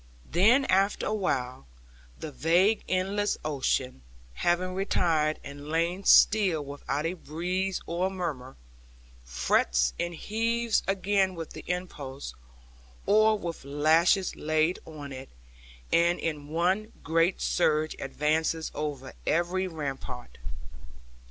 Then after awhile, the vague endless ocean, having retired and lain still without a breeze or murmur, frets and heaves again with impulse, or with lashes laid on it, and in one great surge advances over every rampart.